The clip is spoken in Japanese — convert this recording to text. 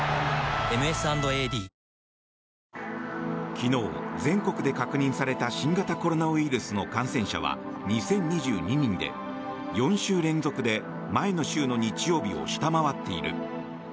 昨日、全国で確認された新型コロナウイルスの感染者は２０２２人で、４週連続で前の週の日曜日を下回っている。